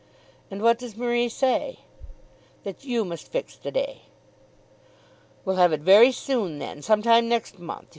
"And what does Marie say?" "That you must fix the day." "We'll have it very soon then; some time next month.